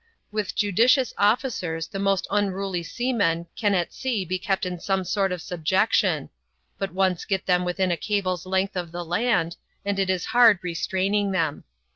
With judicious oflBlcers the most unruly seamen can at sea be kept in some sort of subjection ; but once get them within a cable's length of the land, and it is hard restraining them.